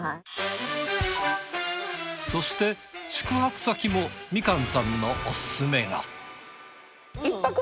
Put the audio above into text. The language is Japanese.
そして宿泊先もみかんさんのオススメが。